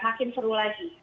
makin seru lagi